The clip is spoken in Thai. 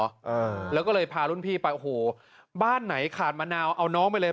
อ่าแล้วก็เลยพารุ่นพี่ไปโอ้โหบ้านไหนขาดมะนาวเอาน้องไปเลย